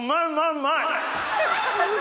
うまい！